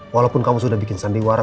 walaupun kamu sudah bikin sandiwara